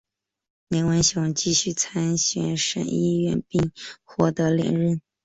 林文雄继续参选省议员并获得连任。